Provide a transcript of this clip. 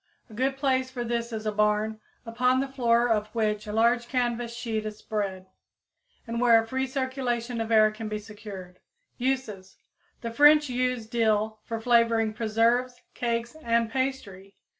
A good place for this is a barn, upon the floor of which a large canvas sheet is spread, and where a free circulation of air can be secured. (See page 28.) Uses. The French use dill for flavoring preserves, cakes and pastry.